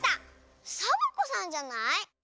サボ子さんじゃない？